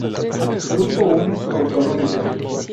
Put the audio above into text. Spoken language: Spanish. Grupo I Autonómica.